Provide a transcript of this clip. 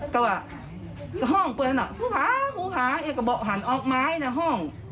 ก็ว่าก็ห้องเป็นอ่ะภูผาลูกก็บอกหันออกไม้เนี่ยห้อง